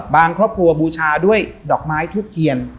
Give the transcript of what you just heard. บางครอบครัวบูชาด้วยดอกไม้ทุกเกียร